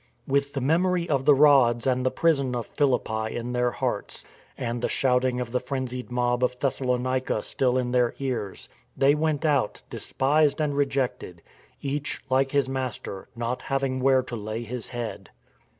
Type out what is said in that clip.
With the memory of the rods and the prison of Philippi in their hearts and the shouting of the frenzied mob of Thessalonica still in their ears, they went out, despised and rejected, each, like his Master, not " having where to lay his head."